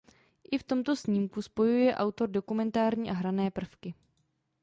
I v tomto snímku spojuje autor dokumentární a hrané prvky.